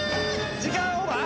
時間オーバー？